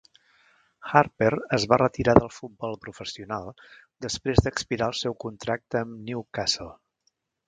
Harper es va retirar del futbol professional després d'expirar el seu contracte amb Newcastle.